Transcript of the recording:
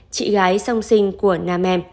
chị gái song sinh của nam em